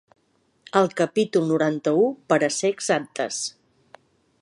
Al capítol noranta-un, per a ser exactes.